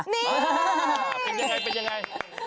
นี่เป็นยังไงเป็นยังไง